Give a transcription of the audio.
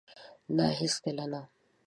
نه! هیڅکله نه